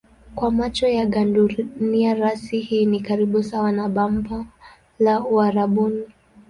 Kwa macho ya gandunia rasi hii ni karibu sawa na bamba la Uarabuni.